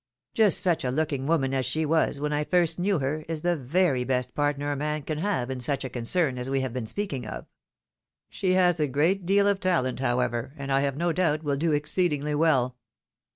Just such a looking woman as she was, when I first knew her, is the very best partner a man can have in such a concern as we have been speaking of. She has a great deal of talent, however, and I have no doubt will do exceedingly well."